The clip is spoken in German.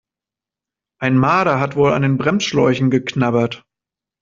Ein Marder hat wohl an den Bremsschläuchen geknabbert.